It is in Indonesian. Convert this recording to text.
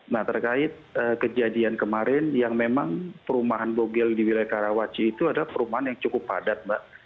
nah terkait kejadian kemarin yang memang perumahan bogel di wilayah karawaci itu adalah perumahan yang cukup padat mbak